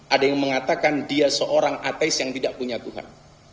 ada yang mengatakan dia seorang atas yang tidak punya tuhan